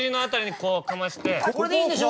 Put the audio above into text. これでいいんでしょ？